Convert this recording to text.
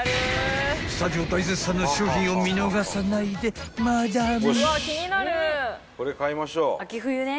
［スタジオ大絶賛の商品を見逃さないでマダム］